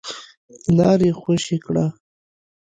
لاره يې خوشې کړه.